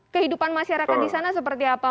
kehidupan masyarakat di sana seperti apa